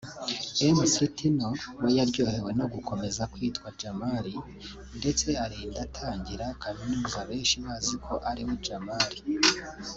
Mc Tino nawe yaryohewe no gukomeza kwitwa Jamal ndetse arinda atangira Kaminuza benshi baziko ari we Jamal